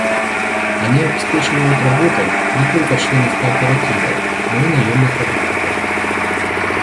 Они обеспечивают работой не только членов кооперативов, но и наемных работников.